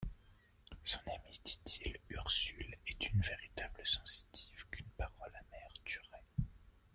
Mon ami, dit-il, Ursule est une véritable sensitive qu’une parole amère tuerait.